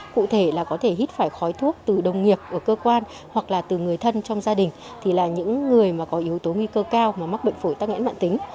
cụ thể là có thể hít phải khói thuốc từ đồng nghiệp ở cơ quan hoặc là từ người thân trong gia đình thì là những người mà có yếu tố nguy cơ cao mà mắc bệnh phổi tắc nghẽn mạng tính